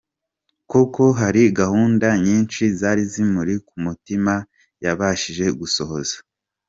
Koko hari gahunda nyinshi zari zimuri ku mutima yabashije gusohoza.